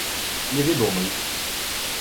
Невідомий.